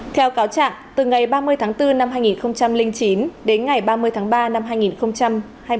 theo cáo trạng từ ngày ba mươi tháng bốn năm hai nghìn chín đến ngày ba mươi tháng ba năm hai nghìn hai mươi